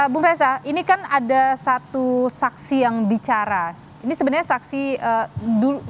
bung reza ini kan ada satu saksi yang bicara ini sebenarnya saksi dulu